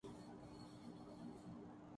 گے لیکن ان کی زبانی ان سے بڑا معصوم کوئی نہیں۔